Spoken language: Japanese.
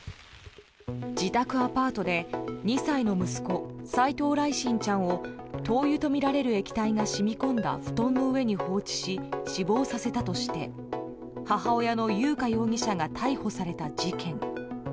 自宅アパートで２歳の息子・斉藤來心ちゃんを灯油とみられる液体が染み込んだ布団の上に放置し死亡させたとして母親の優花容疑者が逮捕された事件。